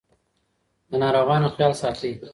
د ناروغانو خیال ساتئ.